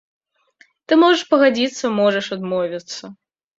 Ты можаш пагадзіцца, можаш адмовіцца.